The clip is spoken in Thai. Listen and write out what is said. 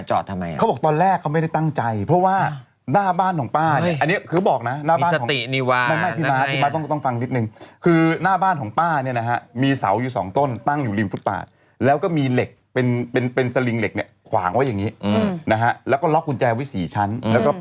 จะไปเข้าเมืองเข้าไปในเมืองลอนดอนจะไปจอดรถ